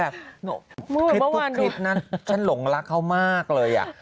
คลิปทุกคลิปนั้นฉันหลงรักเขามากเลยอ่ะ